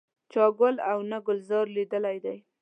چا ګل او نه ګلزار لیدلی دی.